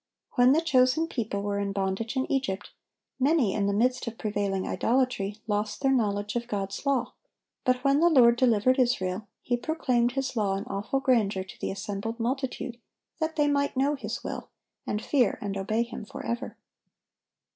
When the chosen people were in bondage in Egypt, many, in the midst of prevailing idolatry, lost their knowledge of God's law; but when the Lord delivered Israel, He proclaimed His law in awful grandeur to the assembled multitude, that they might know His will, and fear and obey Him forever.